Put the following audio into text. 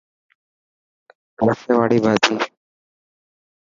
رسي واڙي ڀاڄي.